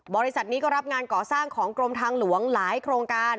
บริษัทนี้ก็รับงานก่อสร้างของกรมทางหลวงหลายโครงการ